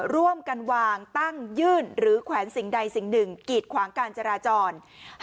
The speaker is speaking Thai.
ร่วมกันวางตั้งยื่นหรือแขวนสิ่งใดสิ่งหนึ่งกีดขวางการจราจร